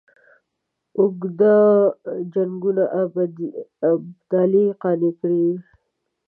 اوږدو جنګونو ابدالي قانع کړی وي.